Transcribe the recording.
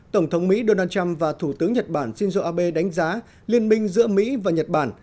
tổng thống mỹ donald trump và thủ tướng nhật bản shinzo abe đánh giá liên minh giữa mỹ và nhật bản